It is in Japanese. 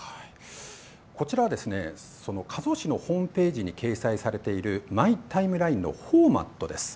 こちら、その加須市のホームページに掲載されているマイ・タイムラインのフォーマットです。